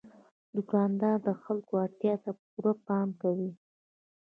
دوکاندار د خلکو اړتیا ته پوره پام کوي.